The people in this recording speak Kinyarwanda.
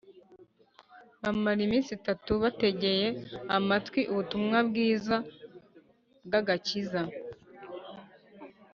bamara iminsi itatu bategeye amatwi ubutumwa bwiza bw’agakiza